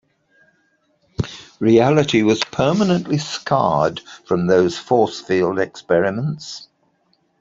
Reality was permanently scarred from those force field experiments.